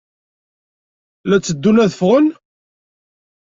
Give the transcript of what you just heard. La tteddun ad ffɣen?